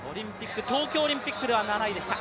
東京オリンピックでは７位でした。